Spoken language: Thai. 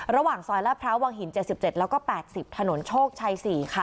ระหว่างซอยละเพราวังหิน๗๗และ๘๐ถนนโชคชาย๔